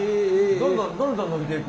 どんどんどんどん伸びていく。